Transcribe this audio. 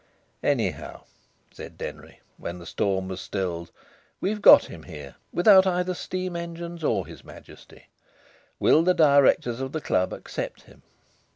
"Anyhow," said Denry, when the storm was stilled, "we've got him here, without either steam engines or His Majesty. Will the Directors of the club accept him?"